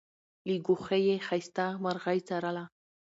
له ګوښې یې ښایسته مرغۍ څارله